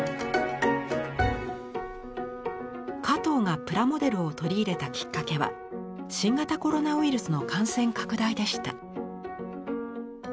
加藤がプラモデルを取り入れたきっかけは新型コロナウイルスの感染拡大でした。